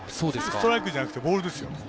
ストライクじゃなくてボールです。